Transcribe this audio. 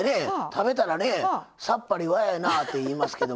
食べたらねさっぱりわややなって言いますけど。